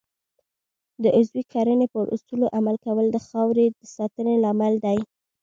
د عضوي کرنې پر اصولو عمل کول د خاورې د ساتنې لامل دی.